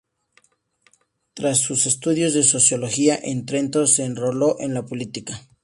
Tras sus estudios de Sociología en Trento se enroló en la política.